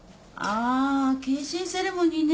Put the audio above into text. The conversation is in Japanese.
あ京神セレモニーね。